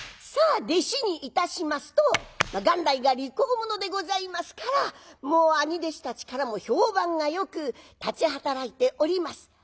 さあ弟子にいたしますと元来が利口者でございますからもう兄弟子たちからも評判がよく立ち働いております。